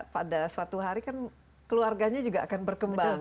pada suatu hari kan keluarganya juga akan berkembang